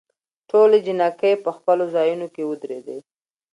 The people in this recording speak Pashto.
ټولې جینکې په خپلو ځايونوکې ودرېدي.